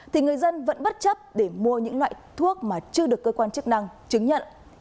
thì người dân vẫn bất chấp để mua những loại thuốc mà chưa được cơ quan chức năng chứng nhận